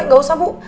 nggak usah bu